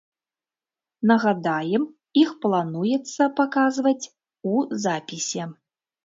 Нагадаем, іх плануецца паказваць у запісе.